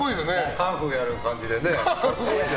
カンフーやる感じでね。